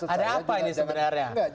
ada apa ini sebenarnya